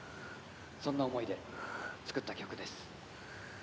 そんな思いで作った曲です